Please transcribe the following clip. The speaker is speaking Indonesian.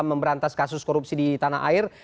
memberantas kasus korupsi di tanah air